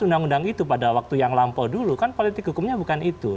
undang undang itu pada waktu yang lampau dulu kan politik hukumnya bukan itu